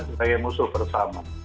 sebagai musuh bersama